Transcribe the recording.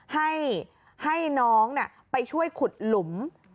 ให้น้องไปช่วยขุดหลุม